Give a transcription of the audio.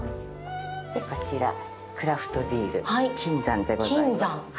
こちら、クラフトビールキンザンでございます。